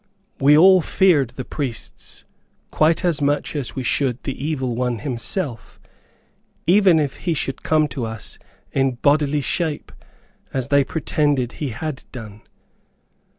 We all feared the priests quite as much as we should the Evil One himself, even if he should come to us in bodily shape, as they pretended he had done.